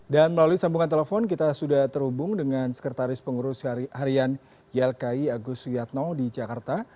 dan melalui sambungan telepon kita sudah terhubung dengan sekretaris pengurus harian yelkai agus yatno di jakarta